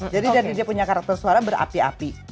jadi dia punya karakter suara berapi api